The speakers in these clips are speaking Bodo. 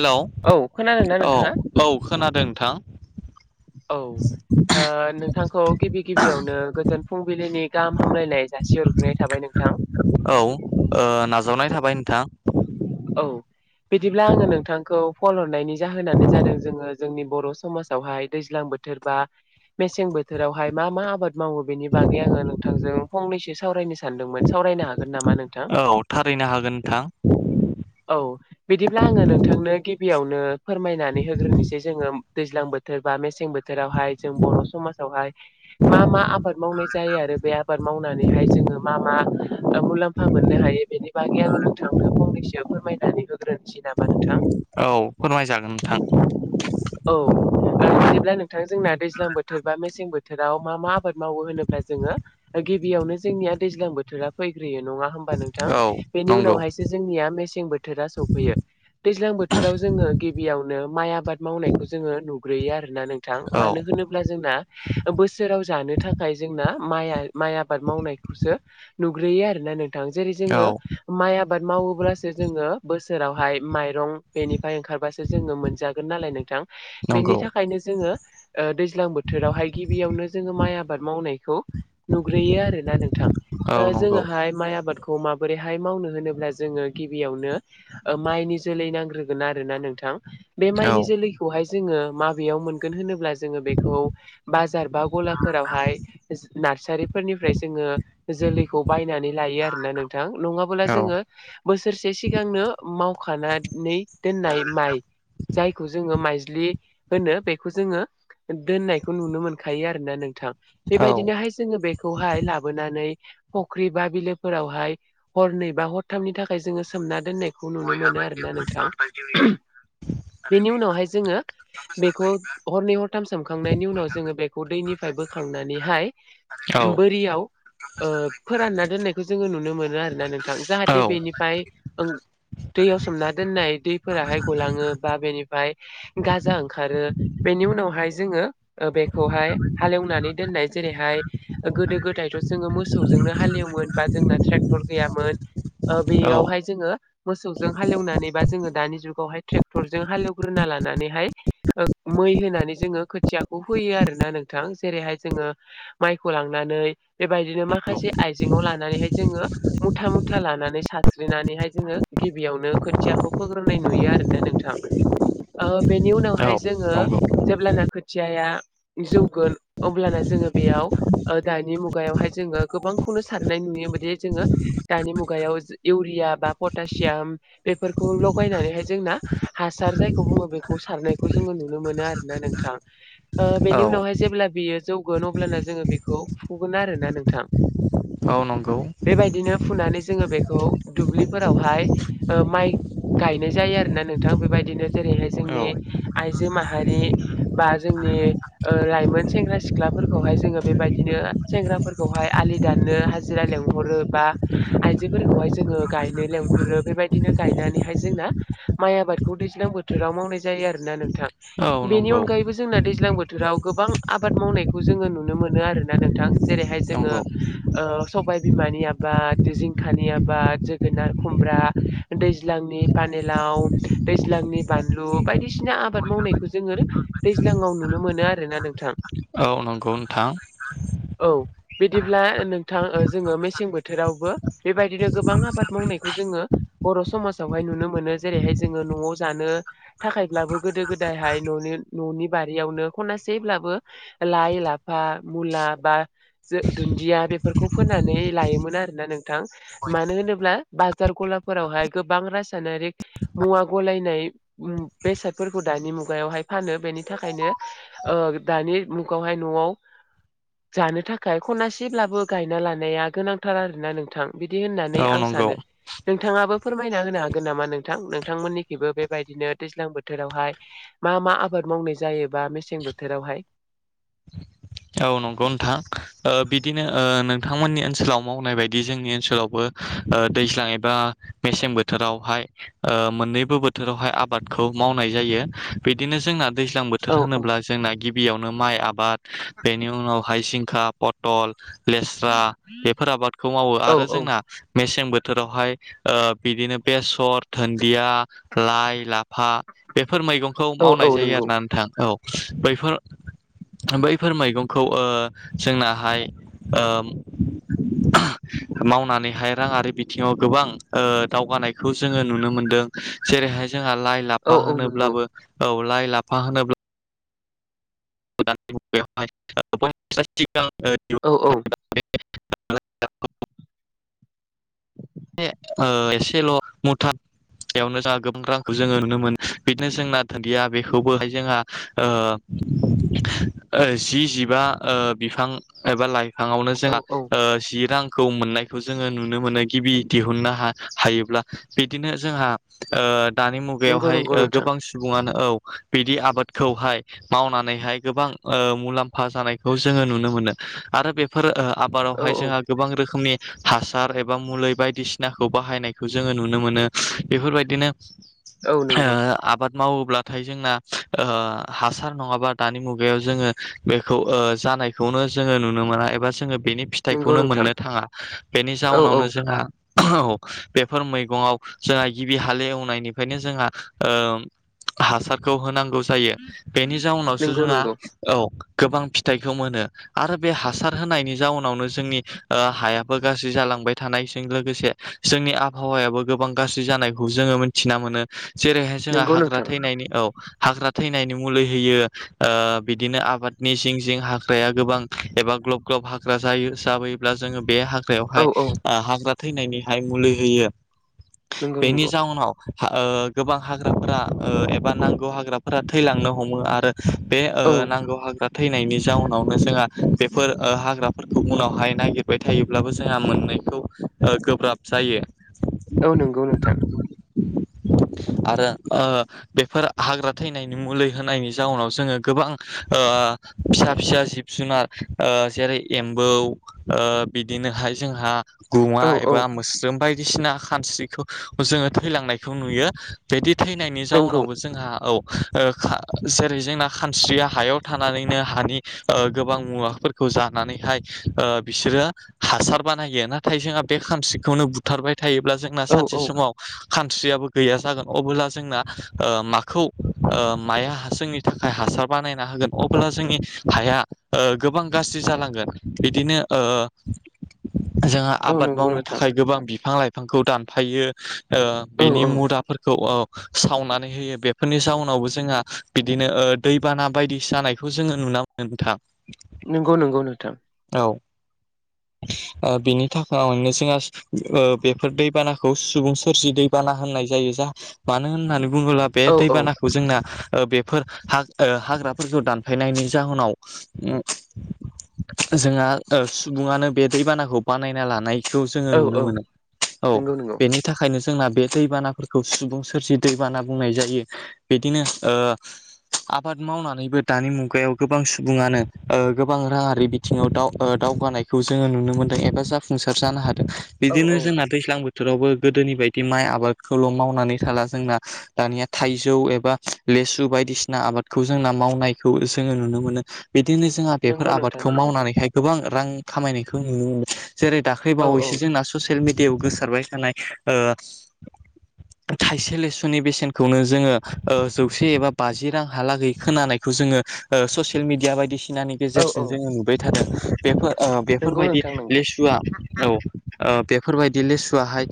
हेलौ औ खोनादोंना औ नोंथाङा औ खोनादों नोंथां। औ ओ नोंथांखौ गिबि गिबियावनो गोजोन फुंबिलिनि गाहाम हामलायनाय जासिहरग्रोनाय थाबाय नोंथां औ ओ नाजा बाय नोंथां औ बिदिब्ला आङो नोंथांखौ कल हरनायनि जाहोनानो जादों जोङो जोंनि बर' समाजावहाय दैज्लां बोथोर बा मेसें बो थोरावहाय मा मा आबाद मावो बेनि बागै आङो नोंथांजों फंनैसो सावरायनो सानदोंमोन सावरायनो हागोन नामा? मा नोंथां? औ थारैनो हागोन नोंथां। औ बिदिब्ला आङो नोंथांनो गिबियावनो फोरमायनानै होग्रोनोसै जोङो दैज्लां बोथोर बा मेसें बो थोरावहाय जों बर' समाजावहाय मा मा आबाद मावनाय जायो आरो बे आबाद मावनानैहाय जों मा मा ओ मुलाम्फा मोननो हायो बेनि बागै आङो नोंथांनो फंनैसो फोरमायनानै होग्रोनोसै नामा नोंथां? औ फोरमायजागोन नोंथां औ ओ बिदिब्ला नोंथां जोंना दैज्लां बोथोर बा मेसें बो थोराव मा मा आबाद मावो होनोब्ला जोङो गिबियावनो जोंनिया दैज्लां बोथोरा फै ग्रोयो नङा होमबा नोंथां औ बेनि नंगौ उनावहायसो जोंनिया मेसें बोथोरा सफैयो। दैज्लां बोथोराव जोङो गिबियावनो माइ आबाद मावनायखौ जोङो नुग्रोयो आरोना नोंथां, औ मानो होनोब्ला जोंना बोसोराव जानो थाखाय जोंना माइआ माइ आबाद मावनायखौसो नुग्रोयो आरोना नोंथां जेरै औ जोङो माइ आ बाद मावोब्लासो जोङो बोसोरावहाय माइरं बेनिफ्राय ओंखारबासो जोङो मोनजागोन नालाय नों थां बेनि नंगौ थाखायनो जोङो ओ दैज्लां बोथोरावहाय गिबियावनो जोङो माइ आबाद मावनायखौ नुग्रोयो आरोना नोंथां औ ओ नंगौ जोङोहाय माइ आबादखौ माबोरैहाय मावनो होनो- ब्ला जोङो गिबियावनो ओ माइनि जोलै नांग्रोगोन आरोना नोंथां। बे औ माइनि जोलैखौहाय जोङो माबेयाव मोनगोन होनोब्ला जोङो बेखौ बाजार बा गलाफोरावहाय नारसारि फोरनिफ्राय जोङो जोलैखौ बायनानै लायो आरोना नोंथां नङाबोला औ जोङो बोसोरसे सिगांनो मावखाना नै दोननाय माइ जायखौ जोङो माइज्लि होनो बेखौ जोङो दोननायखौ नुनो मोनखायो आरोना नोंथां। बेबायदिनोहाय जोङो बेखौहाय लाबोनानै फुख्रि बा बिलोफोरावहाय हरनै बा हरथामनि थाखाय जोङो सोमना दोननाय खौ नुनो मोनो आरोना नोंथां। बेनि उनावहाय जोङो बेखौ हरनै हरथाम सोमखांनायनि उनाव जोङो बेखौ दैनिफाय बोखांनानै हाय औ दुबोरियाव ओ फोरानना दोननाय जोङो नुनो मोनो आरोना नोंथां जाहाथे औ बेनिफ्राइ ओं दैयाव सोमना दोननाय दैफोराहाय गलाङो बा बेनिफ्राय गाजा ओंखारो बेनि नि उनावहाय जोङो बेखौहाय हालेवनानै दोननाय जेरैहाय गोदो गोदायथ' जों जोङो मोसौजोंनो हालएवोमोन बा जोंना ट्रेक्टर गैयामोन ओ औ बेयावहाय जोङो मोसौजों हालेवनानै बा जोङो दानि जुगावहाय ट्रेक्टरजों हालेवग्रोना ला नानैहाय मै होनानै जोङो खोथियाखौ होयो आरोना नोंथां जेरैहाय जोङो माइखौ लांनानै बेबायदिनो माखासे आइजेंयाव लानानैहाय जोङो मुथा मुथा लानान नै सानस्रिनानैहाय जोङो गिबियावनो खोथियाखौ फोग्रोननाय नुयो आरोना नोंथां। ओ बेनि उनावहाय औ जोङो नंगौ जेब्लाना खोथियाया जौगोन अब्लाना जोङो बेयाव दानि मुगायावहाय जोङो गोबांखौनो साननाय [unintelligible] दि जोङो दानि मुगायाव इउरिया बा पटासियाम बेफोरखौ लगायनानैहाय जोंना हासार जायखौ बुङो बेखौ खौ सारनायखौ जोङो नुनो मोनो आरोना नोंथां। ओ औ बेनि उनावहाय जेब्ला बियो जौगोन अब्लाना जोङो बेखौ फुगोन आरोना नोंथां। औ नंगौ [inaudible] बेबायदिनो फुनानै जोङो बेखौ दुब्लिफोरावहाय ओ माइ गायनाय जायो आरोना नोंथां बेबायदिनो जेरैहाय औ जोंनि आइजो माहारि बा जोंनि ओ लाइमोन सेंग्रा सिख्लाफोरखौहाय जोङो बेबायदिनो सेंग्राफोरखौहाय आ दाननो हाजिरा लेंहरो बा आइजोफोर हाय जोङो गायनो लेंहरो बेबायदिनो गायनानैहाय जोंना माइ आबादखौ दैज्लां बोथोराव माव जायो आरोना नोंथां। औ बिनि नंगौ अनगायैबो जोंना दैज्लां बोथोर गोबां आबाद मावनायखौ जोङो नुनो मोनो आरोना नोंथां जेरैहाय जोङो नंगौ ओ बिमानि आबाद जिंखानि आ बाद जोगोनार खुमब्रा दैज्लांनि पानिलाव दैज्लांनि बानल बायदिसिना आबाद मावनायखौ जोङो दैज्लाङाव नुनो मोनो आरोना नोंथां औ नंगौ नोंथां औ बिदिब्ला नोंथां जोङो मेसें बोथोरावबो बेबायदिनो गोबां आबाद मावनायखौ जोङो बर' समाजावहाय नुनो मोनो जेरैहाय जोङो न'आव जानो थाखाय थाखायब्लाबो गोदो गोदायहाय न'नि न'नि बारियावनो खनासेब्लाबो लाइ लाफा मुला बा जो दुन्दिया बेफोरखौ फोनानै लायोमोन आरोना नोंथां मानो होनोब्ला बाजार गलाफोरावहाय गोबां रासायनारिक मुवा गलायनाय बेसादफोरखौ दानि मुगायावहाय फानो बेनि थाखायनो ओ दानि मुगायावहाय न'आव जानो थाखाय खनासेब्लाबो गायना लानाया गोनांथार आरोना नोंथां बिदि बि होननानै औ आं नंगौ सानो नोंथाङाबो फोरमायना होनो हागोन नामा नोंथां नोंथांमोननिखबो बेबायदिनो दैज्लां बोथोरावहाय मा मा आबाद? बे मावनाय जायोबा मेसें बोथोरावहाय औ नंगौ नोंथां ओ बिदिनो ओ नोंथांमोननि ओनसोलाव मावनाय बायदि जोंनि ओनसोलावबो दैज्लां एबा मेसें बोथोरावहाय ओ मोननैबो बोथोरावहाय आबादखौ मावनाय जायो बिदिनो जोंना दैज्लां बोथोर औ औ होनोब्ला जोंना गिबियावनो माइ आबाद बेनि [unintelligible] पटल लेस्रा बेफोर आबादखौ मावो औ आरो औ जोंना मसें बोथोर बोथोराव हाय ओ बिदिनो बेसर धोन दिया लाइ लाफा बेफोर मैगंखौ औ औ मावनाय जायो नंगौ आरो ना नोंथां औ। बैफोर [unintelligible] फोर मैगंखौ ओ जोंनाहाय ओम [unintelligible] मावनानै हाय रांयारिबिथिङाव गोबां ओ दावगानायखौ जोङो नुनो मोनदों जेरैहाय जोंहा लाइ औ लाफा औ नंगौ होनोब्लाबो औ लाइ लाफा होनोब्ला [unintelligible] औ औ [unintelligible] ओ एसेल' मुथा बेयावनो जोंहा गोबां रांखौ जोङो नुनो मोन बिदिनो जोंना दुनदिया बेखौबो हाय जोंहा ओ [inaudible] [unintelligible] ओ जि जिबा बिफां एबा लाइ फांआवनो औ जोंहा औ ओ जि रांखौ मोननायखौ जोङो नुनो मोनो। गिबि दिहुननो हा हायोब्ला बिदिनो जोंहा ओ दानि नंगौ मुगायावहाय नंगौ ओ नोंथां गोबां सुबुङानो औ बिदि आबादखौहाय मावनानैहाय गोबां ओ मुलाम्फा जानायखौ जोङो नुनो मो नो आरो बेफोर औ आबादावहाय जोंहा गोबां रोखोमनि हासार एब बा मुलै बायदिसिनाखौ बाहायनायखौ जोङो नुनो मोनो बेफोरबायदिनो औ ओ नंगौ आबाद मावोब्लाथाय जोंना ओ हासार नङाबा दानि मुगायाव जोङो बेखौ ओ जा नायखौनो जोङो नुनो मोना एबा जोङो बेनि नंगौ फिथाइखौनो नोंथां मोननो थाङा बेनि औ औ जाउनावनो जोंआ औ बेफोर मैगंआव जोंहा गिबि हाल एवनायनिफ्रायनो जोंहा हासारखौ होनांगौ जायो बेनि जाउनावसो नंगौ जोंहा नंगौ औ गोबां फिथाइखौ मोनो आरो बे हासार होनायनि जाउनावनो जोंनि ओ हायाबो गाज्रि जालांबाय थानायजों लोगोसे जोंनि आबहावायाबो गोबां गाज्रि जानायखौ जोङो मिथिना मोनो। जेरैहाय जोंहा नंगौ हाग्रा नोंथां थैनायनि औ हाग्रा थैनायनि मुलि होयो ओ बिदिनो आबादनि जिं जिं हाग्राया गोबां एबा ग्लब ग्लब हाग्रा जायो जाबोब्ला जोङो बे औ यावहाय औ ओ हाग्रा थैनायनिहाय मुलि होयो नंगौ बेनि नंगौ जाउनाव ओ गोबां हाग्राफोरा ओ एबा नांगौ हाग्राफोरा थैलांनो हमो आरो बे ओ औ नांगौ हाग्रा थैनायनि जाउनावनो जोंहा बेफोर ओ हाग्राफोरखौ उनावहाय नागिरबाय थायोब्लाबो जोंहा मोननाखौ खौ ओ गोब्राब जायो। औ नंगौ नोंथां आरो ओ बेफोर हाग्रा थैनायनि मुलि होनायनि जाउनाव जोङो गोबां ओ ओ फिसा फिसा जिब जुनार ओ जेरै एम्बौ बिदिनोहाय जोंहा गुमा औ औ एबा मोस्रोम बायदिसिना खानस्रिखौ जोङो थैलांनायखौ नुयो बिदि थैनायनि नंगौ जाउनावबो जोंहा औ ओ खा जेरै जोंना खानस्रिया हायाव थानानैनो हानि ओ गोबां मुवाफोरखौ जानानैहा ओ बिसोरो हासार बानायो ना नाथाय जोंहा बे खानस्रिखौनो बुथारबाय थायोब्ला जोंना औ सानसे समाव कानस्रियाबो गैया जागोन अबोब्ला जोंना ओ माखौ माया जोंनि थाखाय हास सार बानायना होगोन अब्ला जोंनि हाया ओ गोबां गाज्रि जालांगोन बिदिनो ओ [inaudible] [unintelligible] [inaudible] [unintelligible] जोंहा आबाद नंगौ मावनो नोंथां थाखाय गोबां बिफां लाइफांखौ दानफायो ओ औ बिनि औ मुदाफोरखौ ओ सावनानै होयो बेफोरनि जाउनावबो जोंहा बिदिनो ओ दैबाना बायदि जानायखौ जोङो नु ना मोनो नोंथां नंगौ नंगौ नोंथां औ ओ बेनि औ निसिंहा ओ बेफोर दैबानाखौ सुबुं सोरजि दैबाना होननाय जायो जा मानो होननानै बुङोब्ला बे औ औ दैबानाखौ जोंना ओ बेफोर हाग हाग्राफोरखौ दानफायनायनि जाहोनाव जोंहा ओ सुबुङानो बे दैबानाखौ बानायना लानायखौ जोङो औ नुनो औ मोनो औ नंगौ नंगौ बेनि थाखायनो जों जोंना बे दैबानाफोरखौ सुबुं सोरजि दैबाना बुंनाय जायो बिदिनो ओ आबाद मावनानैबो दानि मुगायाव गोबां सुबुङानो ओ गोबां राङारि बिथिङाव दाव ओ दाव दावगानायखौ जोङो नुनो मोनदों एबा जाफुंसार जानो हादों। औ बिदिनो औ जोंना दैज्लां बो थोरावबो गोदोनि बायदि माइ आबादखौल' मावनानै थाला जोंना दानिया थाइजौ एबा लेसु बायदिसिना आबादखौ जोंना मावनायखौ जोङो नुनो मोनो। बिदिनो जोंहा बेफोर नंगौ नोंथां आबादखौ नंगौ मावनानैहाय गोबां रां खामायनायखौ नुनो मोनो। जेरै दाख्लै औ औ बावैसो जोंना ससियेल मिडियायाव गोसारबाय थानाय ओ थाइसे लेसुनि बेसेनखौनो जोङो जौसे एबा बाजि रांहालागै खोनानायखौ जोङो ओ ससियेल मिडिया बायदि सिनानि औ गेजेरजों औ जोङो नुबाय थादों बेफोर ओ नंगौ बेफोरबायदि नोंथां नंगौ लेसुआ औ ओ बेफोरबायदि लेसुवाहाय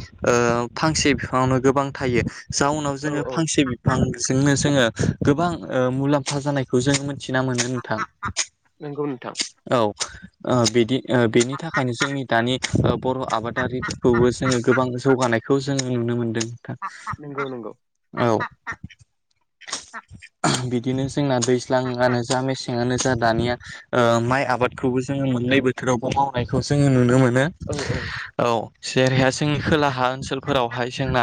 फांसे बिफाङावनो गोबां थाइयो जाउनाव औ जोङो औ फांसे बिफांजोंनो जोङो गोबां ओ मुलाम्फा जानायखौ जों मिथिना मोनो नोंथां नंगौ नोंथां औ। ओ बिदि बेनि थाखायनो जोंनि दानि बर' आबादारिफोरखौबो जोङो गोबां जौगानायखौ जों नुनो मोनदों। नोंथां नंगौ नंगौ। औ बिदिनो जोंना दैज्लांङानो जा मेसें आनो जा दानिया ओ माइ आबादखौबो जोङो मोननै बोथोरावबो माव नायखौ जोङो नुनो मोनो। औ औ औ जेरैहाय जोंनि खोलाहा ओनसोलफोरावहाय जोंना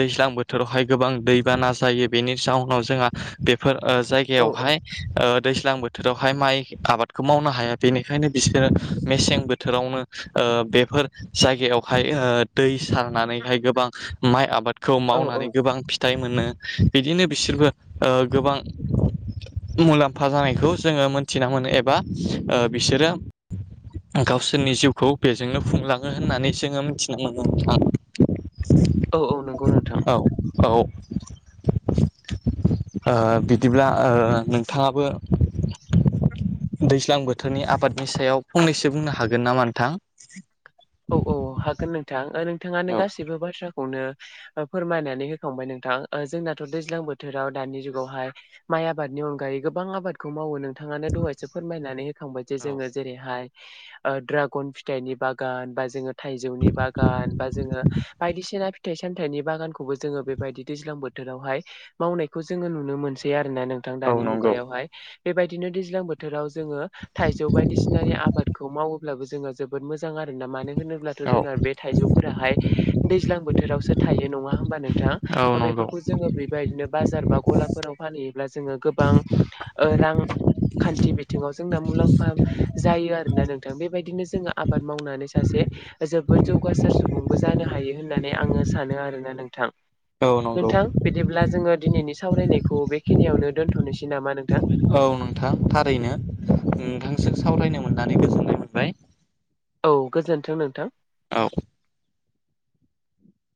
दैज्लां बोथोरावहाय गोबां दैबाना जायो बेनि जाउनाव जोंहा बेफोर ओ औ जायगायावहाय औ ओ दैज्लां बोथोरावहाय माइ आबादखौ मावनो हाया। बेनिखायनो बिसोरो मेसें बोथोरावनो ओ बेफोर जायगायावहाय ओ दै सारनानैहाय गोबां माइ आबाद खौ औ मावनानै औ गोबां फिथाइ मोनो बिदिनो बिसोरबो ओ गोबां मुलाम्फा जानायखौ जोङो मोनथिना मोनो एबा ओ बिसोरो गावसोरनि जिउखौ बेजोंनो खुंलाङो होननानै जोङो मिथिना मोनो नोंखौ। औ औ नंगौ नोंथां। औ ओ बिदिब्ला ओ नोंथाङाबो दैज्लां बोथोरनि आबादनि सायाव फंनैसो बुंनो हागोन नामा नोंथां? औ औ हागोन नोंथां नोंथाङानो औ गासिबो बाथ्रा खौनो फोरमायनानै होखांबाय नोंथां जोंनाथ' दैज्लां बोथोराव दानि जुगावहाय माइ आबादनि अनगायै गोबां आबादखौ मावो नों थाङानो दहायसो फोरमायनानै होखांबाय जे जोङो जेरैहाय ओ ड्रागन फिथाइनि बा गान बा जोङो थाइजौनि बागान बा जोङो बायदिसिना फिथाइ सामथाइनि बागानखौबो जोङो बेबायदि दैज्लां बोथोरावहाय मावनायखौ जोङो नुनो मोनसै आरो ना नोंथां औ दानि नंगौ मुगायावहाय। बेबायदिनो दैज्लां बोथोराव जोङो थाइजौ बायदिसिनानि आबादखौ मावोब्लाबो जोङो जोबोद मोजां आरोना मानो होनोब्लाथ' औ जोंना बे थाइजौफोराहाय दैज्लां बोथोरावसो थाइयो नङा होनबा नों थां औ दा नंगौ बेफोरखौ जोङो बेबादिनो बाजार बा गलाफोराव फानहैयोब्ला जोङो गोबां ओ रां खान्थि बिथिङाव जोंना मुलाम्फा जायो आरोना नोंथां। बेबायदिनो जोङो आ बाद मावनानै सासे जोबोद जौगासार सुबुंबो जानो हायो होननानै आङो सानो आरोना नोंथां। औ नंगौ नोंथां बिदिब्ला जोङो दिनैनि सावरायनायखौ बेखिनियावनो दोनथ'नोसै। नामा नोंथां औ नोंथां थारैनो नोंथांजों सावरायनो मोननानै गोजोननाय मोनबाय। औ गोजोन्थों नोंथां। औ।